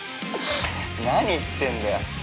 ◆何言ってんだよ。